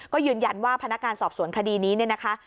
ก็ยืนยันว่าพนักงานสอบสวนคดีนี้เนี่ยนะคะ